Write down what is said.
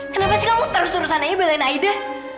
kenapa sih kamu terus terusan nanya balain aida